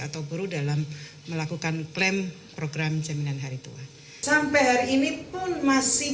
atau buru dalam melakukan klaim program jaminan hari tua